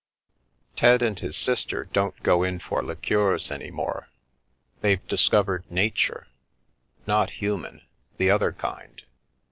" Ted and his sister don't go in for liqueurs any more. They've discovered Nature — not human, the other kind.